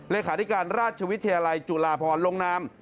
เลขาธิการราชวิทยาลัยจุฬาพรลงนาม